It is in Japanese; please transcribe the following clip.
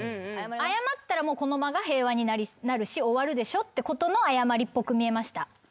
謝ったらこの場が平和になるし終わるでしょってことの謝りっぽく見えました。